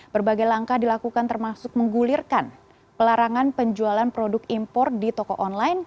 berbagai langkah dilakukan termasuk menggulirkan pelarangan penjualan produk impor di toko online